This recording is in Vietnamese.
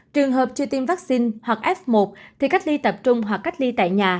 trường hợp chưa tiêm vaccine hoặc f một thì cách ly tập trung hoặc cách ly tại nhà